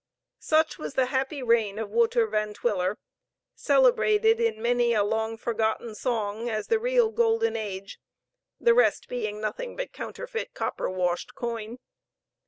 Such was the happy reign of Wouter Van Twiller, celebrated in many a long forgotten song as the real golden age, the rest being nothing but counterfeit copper washed coin.